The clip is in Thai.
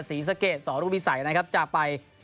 ศรีสะเกดสรุวิสัยนะครับจะไป